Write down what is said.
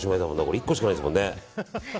１個しかないですもんね。